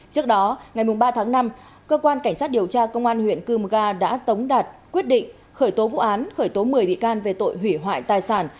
trước đó ngày ba tháng năm cơ quan cảnh sát điều tra công an huyện cư mơ ga đã tống đạt quyết định khởi tố vụ án khởi tố một mươi bị can về tội hủy hoại tài sản